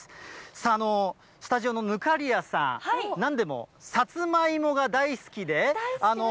さあ、スタジオの忽滑谷さん、なんでもさつまいもが大好きで、大好きです。